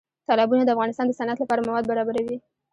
تالابونه د افغانستان د صنعت لپاره مواد برابروي.